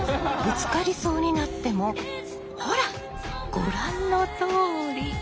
ぶつかりそうになってもほらご覧のとおり。